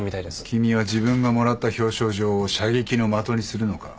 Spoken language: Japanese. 君は自分がもらった表彰状を射撃の的にするのか？